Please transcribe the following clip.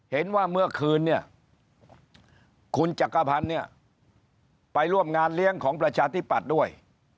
เห็นว่าเมื่อคืนเนี่ยคุณจักรพันธ์เนี่ยไปร่วมงานเลี้ยงของประชาธิปัตย์ด้วย